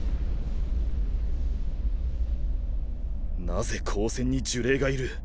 なぜ高専に呪霊がいる？